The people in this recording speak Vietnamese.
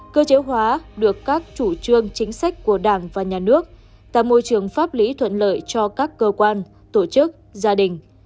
cơ chế hóa được các chủ trương chính sách của đảng và nhà nước tạo môi trường pháp lý thuận lợi cho các cơ quan tổ chức gia đình